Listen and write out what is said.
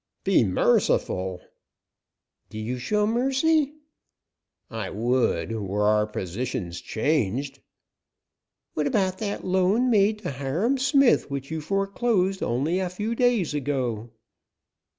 "Be merciful." "Do you show mercy?" "I would, were our positions changed." "What about that loan made to Hiram Smith which you foreclosed only a few days ago?"